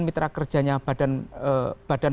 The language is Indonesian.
mitra kerjanya badan